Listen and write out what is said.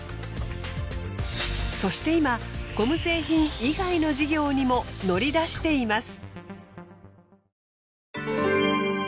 そして今ゴム製品以外の事業にも乗り出しています。